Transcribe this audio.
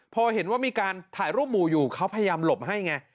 พอเห็นว่ามีการถ่ายรูปหมู่อยู่เขาพยายามหลบให้ไง